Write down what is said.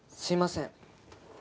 すいません。